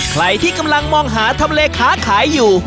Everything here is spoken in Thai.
ใครที่กำลังมองหาทำเลค้าขายอยู่